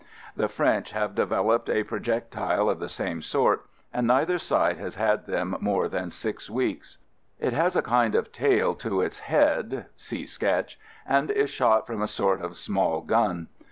The French have developed a projectile of the same sort, and neither side has had them more than six weeks. It has a kind of tail to its head (see sketch) and is shot from a sort 'of small gun.